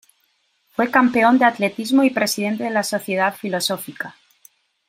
Fue campeón de atletismo y presidente de la Sociedad Filosófica.